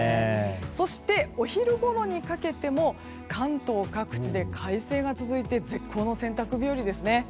そして、お昼ごろにかけても関東各地で快晴が続いて絶好の洗濯日和ですね。